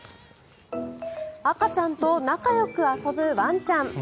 赤ちゃんと仲よく遊ぶワンちゃん。